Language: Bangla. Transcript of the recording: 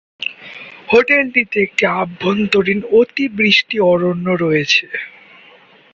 হোটেলটিতে একটি আভ্যন্তরীণ অতিবৃষ্টি অরণ্য রয়েছে।